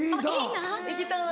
行きたい。